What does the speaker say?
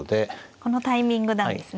このタイミングなんですね。